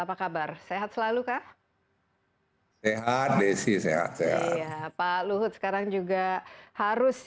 apa kabar sehat selalu kak sehat pak luhut sekarang juga harus